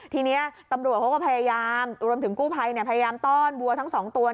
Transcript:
ทีนี้ตำรวจเขาก็พยายามรวมถึงกู้ภัยพยายามต้อนวัวทั้งสองตัว